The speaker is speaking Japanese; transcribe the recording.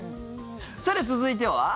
さて、続いては。